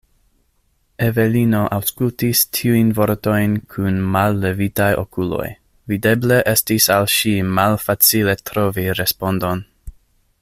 Evelino aŭskultis tiujn vortojn kun mallevitaj okuloj; videble estis al ŝi malfacile trovi respondon.